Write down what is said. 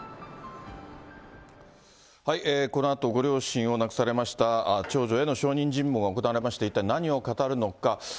このあと、ご両親を亡くされました長女への証人尋問が行われまして、一体何を語るのか。